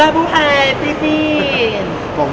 เออ